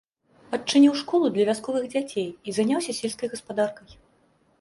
Адчыніў школу для вясковых дзяцей і заняўся сельскай гаспадаркай.